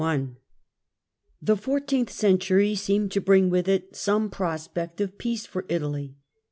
ie " I ^HE fourteenth century seemed to bring with it centurj" '^ some prospect of peace for Italy.